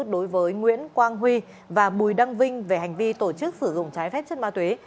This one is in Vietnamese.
đối với nguyễn quang huy và bùi đăng vinh về hành vi tổ chức sử dụng trái phép chất ma túy